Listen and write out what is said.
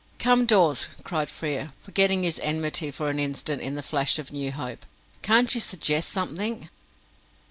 "Come, Dawes!" cried Frere, forgetting his enmity for an instant in the flash of new hope, "can't you suggest something?"